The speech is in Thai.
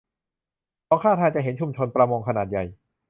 สองข้างทางจะเห็นชุมชนประมงขนาดใหญ่